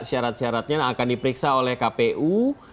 syarat syaratnya akan diperiksa oleh kpu